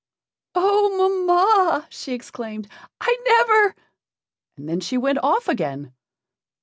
"Oh, mamma!" she exclaimed, "I never " and then she went off again.